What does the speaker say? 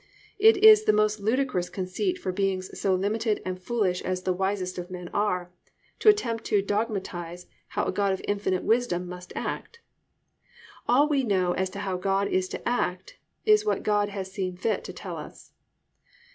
It is the most ludicrous conceit for beings so limited and foolish as the wisest of men are, to attempt to dogmatise how a God of infinite wisdom must act. All we know as to how God is to act is what God has seen fit to tell us.